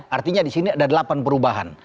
artinya disini ada delapan perubahan